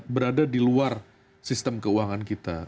berada di luar sistem keuangan kita